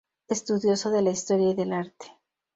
Estudioso de la historia y del arte.